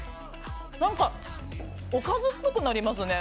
何か、おかずっぽくなりますね。